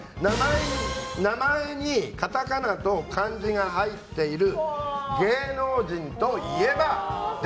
名前にカタカナと漢字が入っている芸能人といえば？